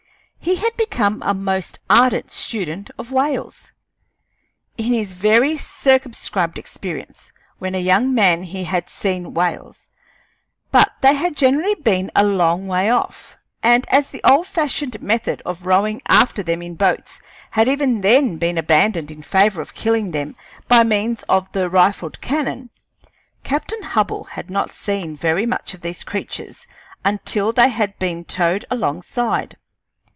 He had become a most ardent student of whales. In his very circumscribed experience when a young man he had seen whales, but they had generally been a long way off; and as the old fashioned method of rowing after them in boats had even then been abandoned in favor of killing them by means of the rifled cannon, Captain Hubbell had not seen very much of these creatures until they had been towed alongside.